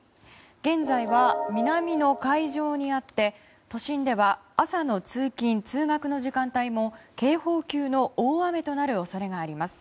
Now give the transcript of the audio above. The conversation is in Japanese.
現在は南の海上にあって都心では朝の通勤・通学時間帯も警報級の大雨となる恐れがあります。